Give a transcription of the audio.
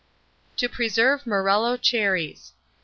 TO PRESERVE MORELLO CHERRIES.